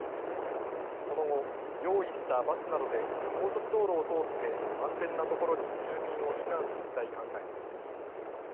その後、用意したバスなどで高速道路を通って安全なところに住民を避難させたい考えです。